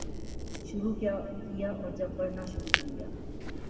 شروع کیا اور جب پڑھنا شروع کیا